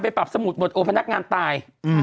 ปรับสมุดหมดโอพนักงานตาย